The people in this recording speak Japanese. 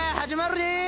始まるで！